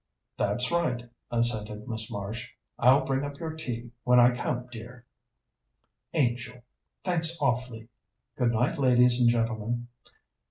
"That's right," assented Miss Marsh. "I'll bring up your tea when I come, dear." "Angel, thanks awfully. Good night, ladies and gentlemen."